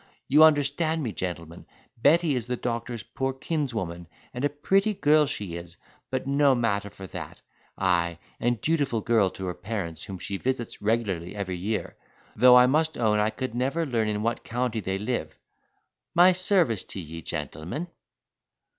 You understand me, gentlemen. Betty is the doctor's poor kinswoman, and a pretty girl she is; but no matter for that; ay, and dutiful girl to her parents, whom she visits regularly every year, though I must own I could never learn in what county they live, My service t'ye, gentlemen."